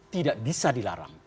tidak bisa dilarang